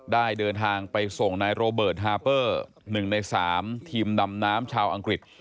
ได้เดินทางไปส่งนายโรเบิร์ตฮาเปอร์๑ใน๓ทีมดำน้ำชาวอังกฤษ